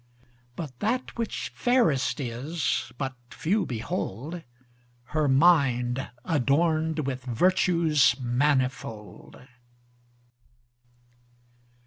But that which fairest is, but few behold, Her mind adorned with virtues manifold.